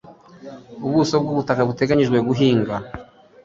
ubuso bwubutaka buteganyijwe guhingwa